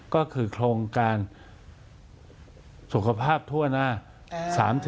ก็คือโครงการสุขภาพทั่วหน้า